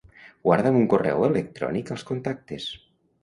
Guarda'm un correu electrònic als Contactes.